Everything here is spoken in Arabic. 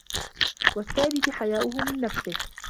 وَالثَّالِثِ حَيَاؤُهُ مِنْ نَفْسِهِ